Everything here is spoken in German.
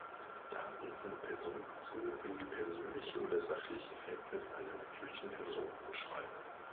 Daten sind personenbezogen, wenn sie persönliche oder sachliche Verhältnisse einer natürlichen Person beschreiben.